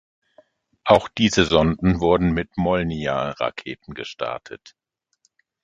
Auch diese Sonden wurden mit Molnija-Raketen gestartet.